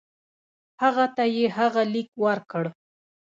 هغه ته یې هغه لیک ورکړ.